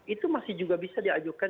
itu masih juga bisa diajukan